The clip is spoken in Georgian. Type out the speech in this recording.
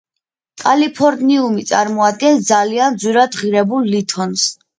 კალიფორნიუმი წარმოადგენს ძალიან ძვირად ღირებულ ლითონს.